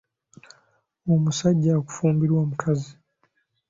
Omusajja okufumbirwa omukazi.